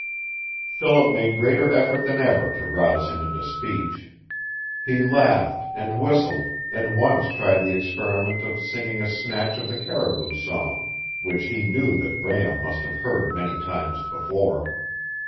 Philip made greater effort than ever to rouse him into speech. He laughed, and whistled, and once tried the experiment of singing a snatch of the Caribou Song which he knew that Bram must have heard many times before.